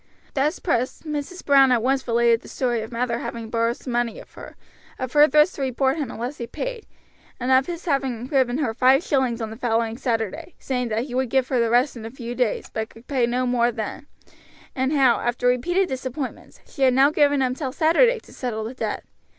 Thus pressed Mrs. Brown at once related the story of Mather having borrowed some money of her; of her threats to report him unless he paid, and of his having given her five shillings on the following Saturday, saying that he would give her the rest in a few days, but could pay no more then; and how, after repeated disappointments, she had now given him till Saturday to settle the debt.